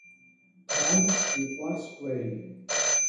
თაგვს უყვარს ყველი